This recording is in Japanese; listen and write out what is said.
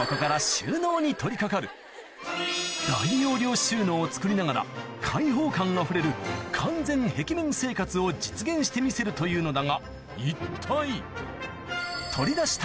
取り掛かる大容量収納を作りながら開放感あふれる完全壁面生活を実現してみせるというのだが一体？